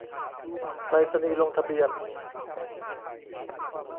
ไปรษณีย์ลงทะเบียน